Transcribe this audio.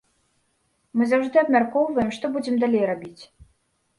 Мы заўжды абмяркоўваем, што будзем далей рабіць.